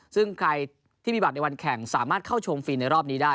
ซึ่งใครที่มีบัตรในวันแข่งสามารถเข้าชมฟรีในรอบนี้ได้